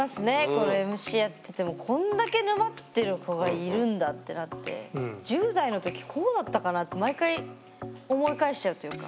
このＭＣやっててもこんだけ沼ってる子がいるんだってなって１０代の時こうだったかな？って毎回思い返しちゃうというか。